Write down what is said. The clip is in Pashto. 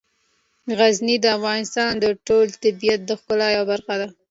غزني د افغانستان د ټول طبیعت د ښکلا یوه برخه ده.